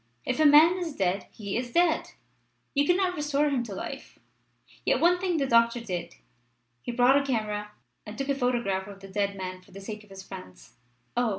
If a man is dead he is dead. You cannot restore him to life. Yet one thing the doctor did. He brought a camera and took a photograph of the dead man for the sake of his friends." "Oh!